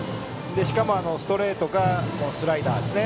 しかもストレートかスライダーですね。